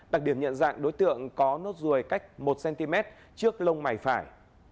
đặc điểm nhận dạng đối tượng có nốt ruồi cách một cm trước lông mày phải